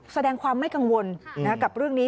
แสดงความไม่กังวลกับเรื่องนี้